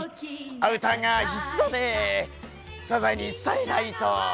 アウターが必要で、サザエに伝えないと。